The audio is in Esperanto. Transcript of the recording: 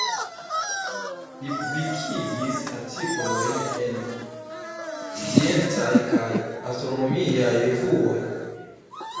Li publikigis artikolojn en sciencaj kaj astronomiaj revuoj.